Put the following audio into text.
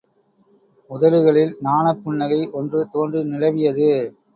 உதடுகளில் நாணப் புன்னகை ஒன்று தோன்றி நிலவியது.